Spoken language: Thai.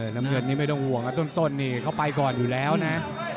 น้ำเงินนี้ไม่ต้องห่วงนะต้นนี่เขาไปก่อนอยู่แล้วนะ